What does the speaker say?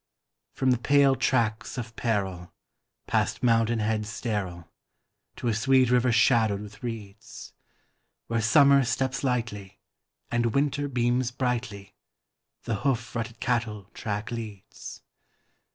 From the pale tracts of peril, past mountain heads sterile, To a sweet river shadowed with reeds, Where Summer steps lightly, and Winter beams brightly, The hoof rutted cattle track leads.